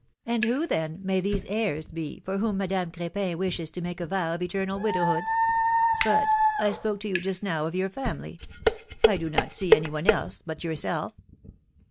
^^And who, then, may these heirs be for whom Madame Crepin wishes to make a vow of eternal widowhood ? '^But — I spoke to you just now of your family — I do not see any one else but yourself